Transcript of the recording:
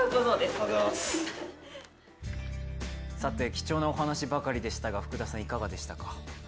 貴重なお話ばかりでしたが福田さん、いかがでしたか。